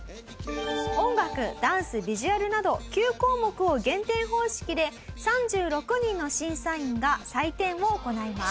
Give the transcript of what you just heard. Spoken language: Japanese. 音楽ダンスビジュアルなど９項目を減点方式で３６人の審査員が採点を行います。